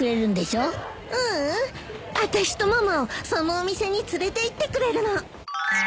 ううん。あたしとママをそのお店に連れていってくれるの。